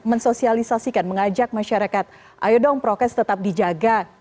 men sosialisasikan mengajak masyarakat ayo dong prokes tetap dijaga